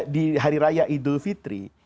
di hari raya idul fitri